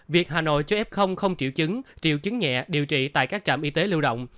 việc hà nội cho f không triệu chứng triệu chứng nhẹ điều trị tại các trạm y tế lưu động